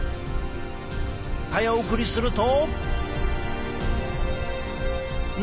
早送りすると。